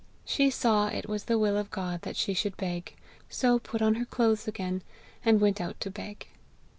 She saw it was the will of God that she should beg, so put on her clothes again, and went out to beg.